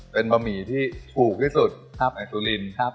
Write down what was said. เป็นบะหมี่ที่ถูกที่สุดในสุรินทร์